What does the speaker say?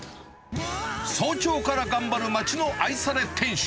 早朝から頑張る町の愛され店主。